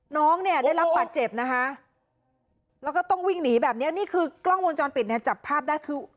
น้องเนี่ยได้รับบาดเจ็บนะคะแล้วก็ต้องวิ่งหนีแบบเนี้ยนี่คือกล้องวงจรปิดเนี่ยจับภาพได้คือ